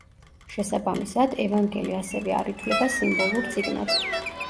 შესაბამისად, ევანგელე ასევე არ ითვლება სიმბოლურ წიგნად.